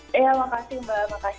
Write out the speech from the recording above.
terima kasih mbak